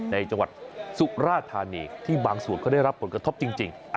ในจังหวัดสุราธานีก็ได้รับผลกระทบจริง